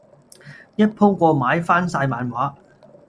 一鋪過買翻曬漫畫